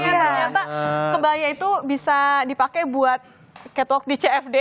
ternyata kebaya itu bisa dipakai buat catwalk di cfd